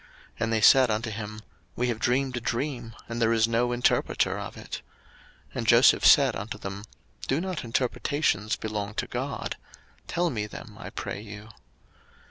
01:040:008 And they said unto him, We have dreamed a dream, and there is no interpreter of it. And Joseph said unto them, Do not interpretations belong to God? tell me them, I pray you.